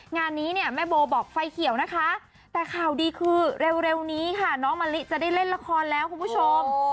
งานนี้เนี่ยแม่โบบอกไฟเขียวนะคะแต่ข่าวดีคือเร็วนี้ค่ะน้องมะลิจะได้เล่นละครแล้วคุณผู้ชม